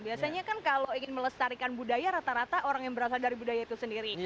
biasanya kan kalau ingin melestarikan budaya rata rata orang yang berasal dari budaya itu sendiri